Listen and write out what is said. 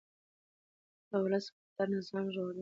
د ولس ملاتړ نظام ژغوري